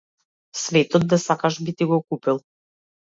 Светот да сакаш би ти го купил.